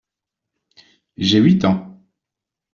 J’ai huit ans.